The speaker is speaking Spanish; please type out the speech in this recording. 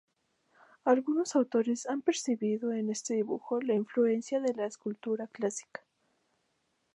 Algunos autores han percibido en este dibujo la influencia de la escultura clásica.